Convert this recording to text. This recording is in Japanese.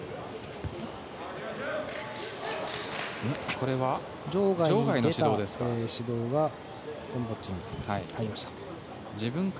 これは場外の指導ですか。